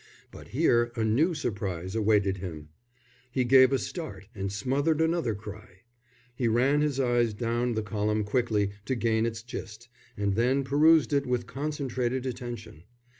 But here a new surprise awaited him. He gave a start and smothered another cry. He ran his eyes down the column quickly to gather its gist, and then perused it with concentrated attention.